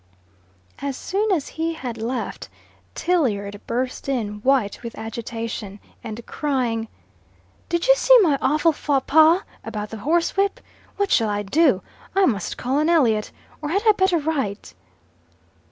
As soon as he had left, Tilliard burst in, white with agitation, and crying, "Did you see my awful faux pas about the horsewhip? What shall I do? I must call on Elliot. Or had I better write?"